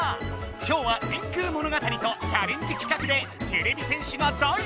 今日は電空物語とチャレンジ企画でてれび戦士が大活やく！